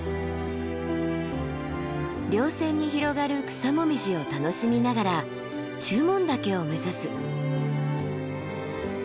稜線に広がる草紅葉を楽しみながら中門岳を目指す。